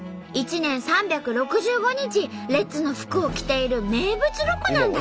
１年３６５日レッズの服を着ている名物ロコなんだって。